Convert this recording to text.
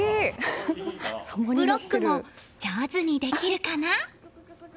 ブロックも上手にできるかな？